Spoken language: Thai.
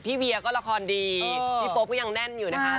เวียก็ละครดีพี่โป๊ปก็ยังแน่นอยู่นะคะ